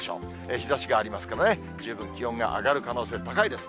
日ざしがありますからね、十分気温が上がる可能性高いです。